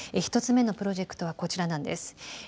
１つ目のプロジェクトはこちらなんです。